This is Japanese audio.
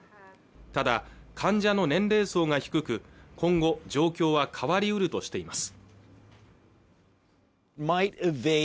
ただ患者の年齢層が低く今後状況は変わりうるとしています